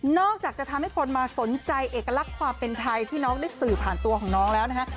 อกจากจะทำให้คนมาสนใจเอกลักษณ์ความเป็นไทยที่น้องได้สื่อผ่านตัวของน้องแล้วนะฮะ